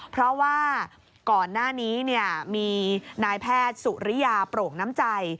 เพราะว่าก่อนหน้านี้มีนายแพทย์สุริยาโปร่งน้ำใจ